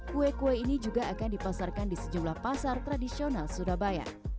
kue kue ini juga akan dipasarkan di sejumlah pasar tradisional surabaya